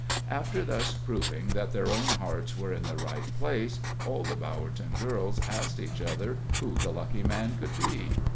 After thus proving that their own hearts were in the right place, all the Bowerton girls asked each other who the lucky man could be.